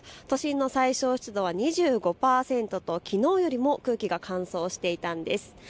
都心の最小湿度は２５％ときのうよりも空気が乾燥していたんです。